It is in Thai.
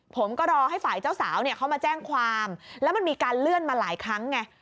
ผมก็รอให้ฝ่ายเจ้าสาวเนี่ยเขามาแจ้งความแล้วมันมีการเลื่อนมาหลายครั้งไง